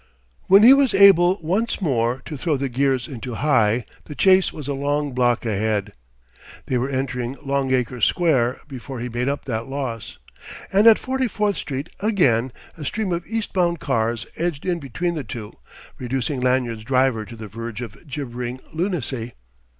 When he was able once more to throw the gears into high, the chase was a long block ahead. They were entering Longacre Square before he made up that loss. And at Forty fourth Street, again, a stream of east bound cars edged in between the two, reducing Lanyard's driver to the verge of gibbering lunacy.